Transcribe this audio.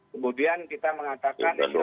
kemudian kita mengatakan